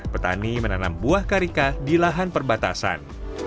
petani menanam buah karika di lahan perbatasan